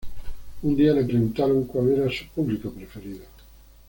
Un día le preguntaron cuál era su público preferido.